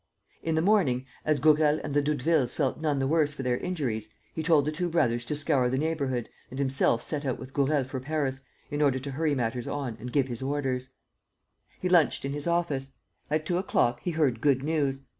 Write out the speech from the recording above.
In the morning, as Gourel and the Doudevilles felt none the worse for their injuries, he told the two brothers to scour the neighborhood and himself set out with Gourel for Paris, in order to hurry matters on and give his orders. He lunched in his office. At two o'clock, he heard good news.